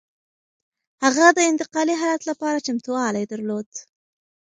هغه د انتقالي حالت لپاره چمتووالی درلود.